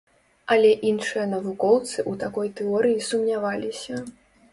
Але іншыя навукоўцы ў такой тэорыі сумняваліся.